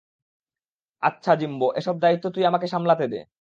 আচ্ছা জিম্বো, এসব দায়িত্ব তুই আমাকে সামলাতে দে।